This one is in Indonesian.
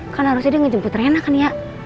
kan harusnya dia ngejemput enak kan ya